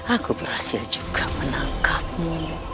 aku berhasil juga menangkapmu